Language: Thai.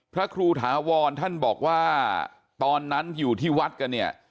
พระครูถาวรท่านบอกว่าตอนนั้นอยู่ที่วัดกันเนี่ย